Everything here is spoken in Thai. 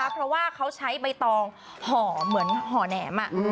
เพราะว่าเขาใช้ใบตองห่อเหมือนห่อแหนม